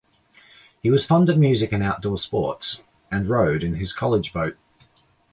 He was fond of music and outdoor sports, and rowed in his college boat.